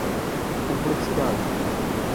complexidade